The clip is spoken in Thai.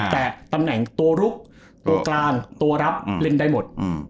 แต่ตำแหน่งตัวลุกตัวกลางตัวรับเล่นได้หมด